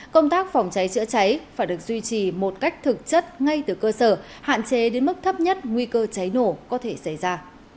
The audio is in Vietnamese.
công tác phòng cháy chữa cháy phải được duy trì một cách thực chất ngay từ cơ sở hạn chế đến mức thấp nhất nguy cơ cháy nổ có thể xảy ra